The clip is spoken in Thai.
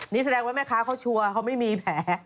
นี่แสดงว่าแม่ค้าเขาไม่มีแพง